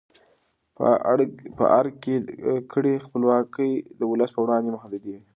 په ارګ کې کړۍ خپلواکي د ولس پر وړاندې محدودوي.